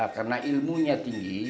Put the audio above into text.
karena ilmunya tinggi